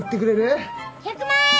１００万円！